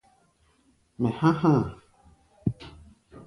Mɛ há̧ há̧ a̧.